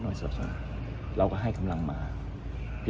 มองว่าเป็นการสกัดท่านหรือเปล่าครับเพราะว่าท่านก็อยู่ในตำแหน่งรองพอด้วยในช่วงนี้นะครับ